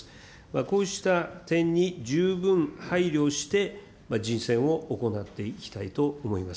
こうした点に十分配慮して、人選を行っていきたいと思います。